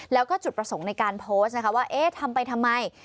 แล้วก็จุดประสงค์ในการโพสต์นะคะว่าเอ๊ะทำไปทำไม